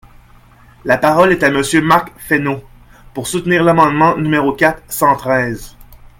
La parole est à Monsieur Marc Fesneau, pour soutenir l’amendement numéro quatre cent treize.